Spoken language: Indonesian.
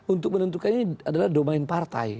untuk menentukan ini adalah domain partai